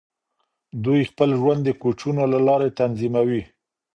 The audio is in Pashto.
دوی خپل ژوند د کوچونو له لارې تنظیموي.